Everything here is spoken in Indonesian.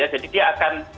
jadi dia akan